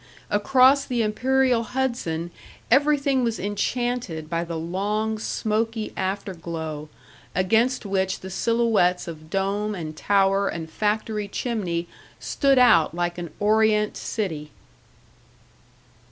Across the imperial Hudson everything was enchanted by the long, smoky afterglow, against which the silhouettes of dome and tower and factory chimney stood out like an Orient city.